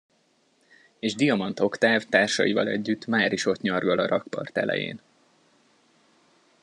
És Diamant Oktáv társaival együtt máris ott nyargal a rakpart elején.